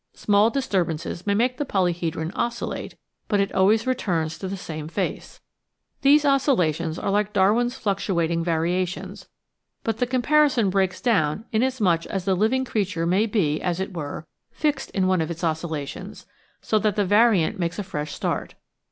Small disturbances may make the polyhedron oscillate, but it always returns to the same face. These oscillations are like How Darwinism Stands To Day S7S Darwin's fluctuating variations, but the comparison breaks down inasmuch as the living creature may be, as it were, fixed in one of its oscillations, so that the variant makes a fresh start.